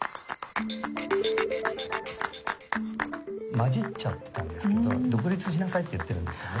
混じっちゃってたんですけど独立しなさいって言ってるんですよね。